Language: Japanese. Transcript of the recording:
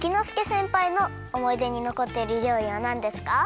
せんぱいのおもいでにのこっているりょうりはなんですか？